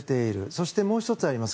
そして、もう１つあります。